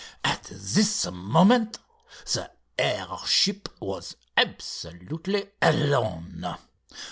"At this moment the air ship was absolutely alone.